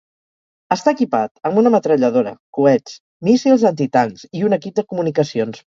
Està equipat amb una metralladora, coets, míssils antitancs, i un equip de comunicacions.